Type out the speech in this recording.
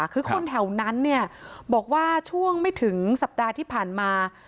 คือคนแถวนั้นเนี่ยบอกว่าช่วงไม่ถึงสัปดาห์ที่ผ่านมา